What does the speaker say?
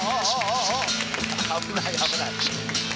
危ない危ない！